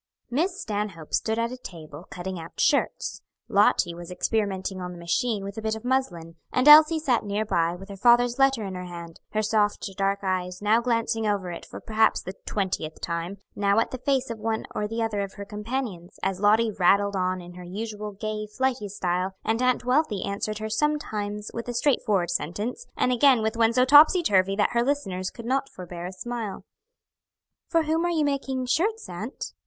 Miss Stanhope stood at a table, cutting out shirts. Lottie was experimenting on the machine with a bit of muslin, and Elsie sat near by with her father's letter in her hand, her soft dark eyes now glancing over it for perhaps the twentieth time, now at the face of one or the other of her companions, as Lottie rattled on in her usual gay, flighty style, and Aunt Wealthy answered her sometimes with a straightforward sentence, and again with one so topsy turvy that her listeners could not forbear a smile. "For whom are you making shirts, aunt?"